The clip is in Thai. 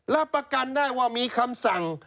รับประกันได้ว่ามีคำสั่ง